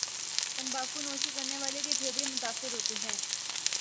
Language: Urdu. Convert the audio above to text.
تمباکو نوشی کرنے والے کے پھیپھڑے متاثر ہوتے ہیں